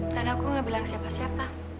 dan aku gak bilang siapa siapa